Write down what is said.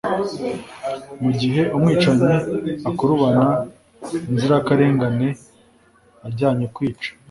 Mu gihe umwicanyi akurubana inzirakarengane ajyanye kwica